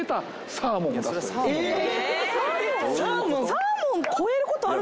サーモン超えることある？